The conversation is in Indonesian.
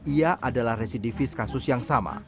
ia adalah residivis kasus